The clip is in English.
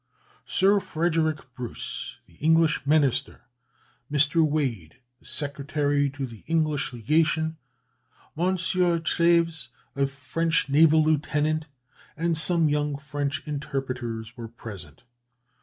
Sir Frederick Bruce, the English minister; Mr. Wade, the secretary to the English legation; M. Trèves, a French naval lieutenant, and some young French interpreters were present.